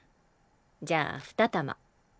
じゃあ２玉。